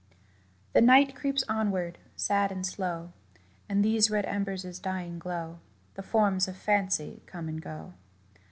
The night creeps onward, sad and slow: In these red embers' dying glow The forms of Fancy come and go.